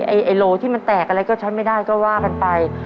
ไอ้โหลที่มันแตกอะไรก็ใช้ไม่ได้ก็ว่ากันไป